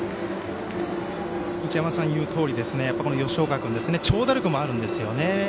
内山さんの言うとおり吉岡君、長打力もあるんですね。